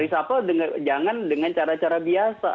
reshuffle jangan dengan cara cara biasa